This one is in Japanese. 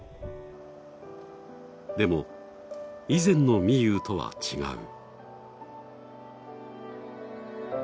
でも、以前のみゆうとは違う。